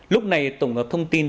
lúc này tổng hợp thông tin